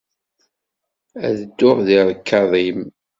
Ad tedduɣ di ṛkaḍ-im.